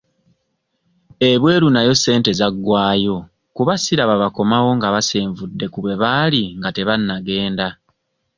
Ebweru nayo ssente zaggwayo kuba siraba bakomawo nga basenvuddeko ku bwe baali nga tebannagenda.